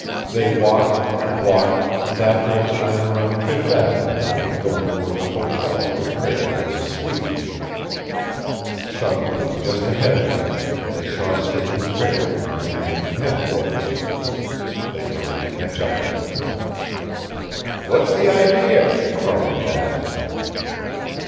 They walked and walked, and after a time were on Fifth Avenue and going toward the hotel where Prale had his suite. Suddenly, just ahead of them, they saw Sidney Prale and the man from headquarters. They hurried to catch up with them. "What's the idea?" Farland asked.